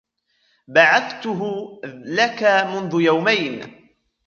بعثتُه لك منذ يومين.